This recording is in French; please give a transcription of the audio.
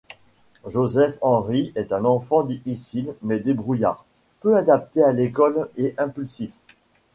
Joseph Henry est un enfant difficile mais débrouillard, peu adapté à l'école et impulsif.